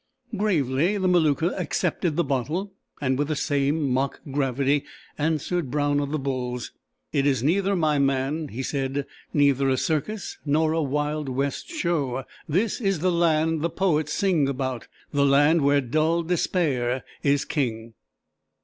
Gravely the Maluka accepted the bottle, and with the same mock gravity answered Brown of the Bulls. "It is neither, my man," he said; "neither a circus, nor a Wild West Show. This is the land the poets sing about, the land where dull despair is king."